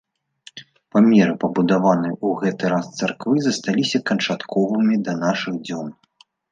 Памеры пабудаванай у гэты раз царквы засталіся канчатковымі да нашых дзён.